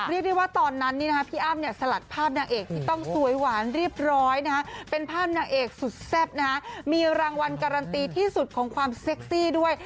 เรียกได้ว่าตอนนั้นพี่อ้ำเนี่ยสลัดภาพนางเอกที่ต้องสวยหวานเรียบร้อยนะฮะเป็นภาพนางเอกสุดแซ่บนะฮะมีรางวัลการันตีที่สุดของความเซ็กซี่ด้วย